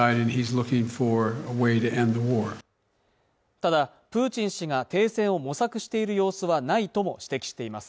ただプーチン氏が停戦を模索している様子はないとも指摘しています